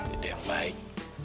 ide yang baik